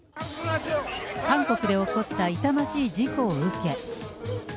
韓国で起こった痛ましい事故を受け。